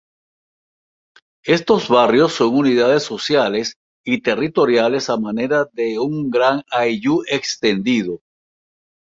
Estos barrios son unidades sociales y territoriales a manera de un gran ayllu extendido.